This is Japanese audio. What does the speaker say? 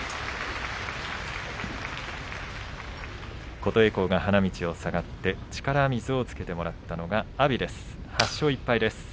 琴恵光が花道を下がって力水をつけてもらったのが阿炎です。